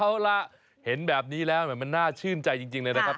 เอาล่ะเห็นแบบนี้แล้วมันน่าชื่นใจจริงเลยนะครับ